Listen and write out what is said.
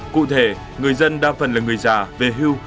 cụ thể người dân đa phần là người già về hưu